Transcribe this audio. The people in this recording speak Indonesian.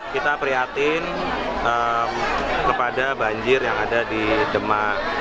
kita prihatin kepada banjir yang ada di demak